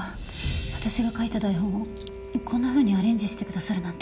私の書いた台本をこんなふうにアレンジしてくださるなんて。